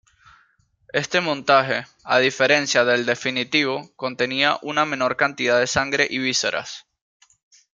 Este montaje, a diferencia del definitivo, contenía una menor cantidad de sangre y vísceras.